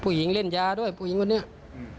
หญิงเล่นยาด้วยผู้หญิงคนนี้อืม